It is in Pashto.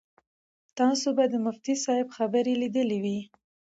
تاسو به د مفتي صاحب خبرې لیدلې وي.